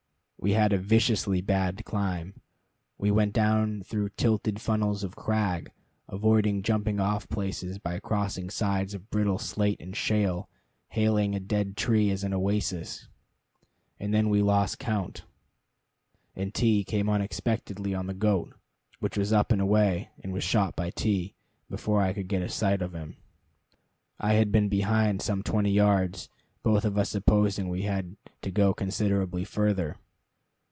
We had a viciously bad climb. We went down through tilted funnels of crag, avoiding jumping off places by crossing slides of brittle slate and shale, hailing a dead tree as an oasis. And then we lost count, and T came unexpectedly on the goat, which was up and away and was shot by T before I could get a sight of him. I had been behind some twenty yards, both of us supposing we had to go considerably further.